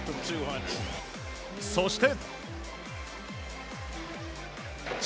そして。